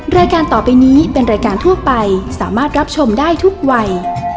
รายการต่อไปนี้เป็นรายการทั่วไปสามารถรับชมได้ทุกวัย